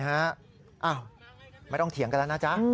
อ้าวไม่ต้องเถียงกันแล้วนะจ๊ะ